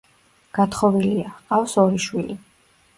გათხოვილია, ჰყავს ორი შვილი.